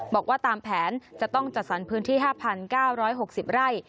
บอกว่าตามแผนจะต้องจัดสรรพื้นที่๕๙๖๐ไร่